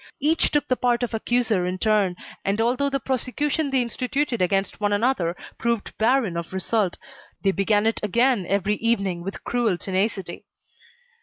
Each took the part of accuser in turn, and although the prosecution they instituted against one another proved barren of result, they began it again every evening with cruel tenacity.